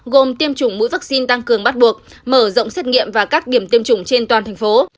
gồm tiêm chủng mũi vaccine tăng cường bắt buộc mở rộng xét nghiệm và các điểm tiêm chủng trên toàn thành phố